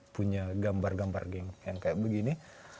punya gambar gambar yang kayak begini